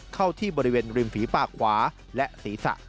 เข้าที่บริเวณริมฝีปากขวาและศีรษะ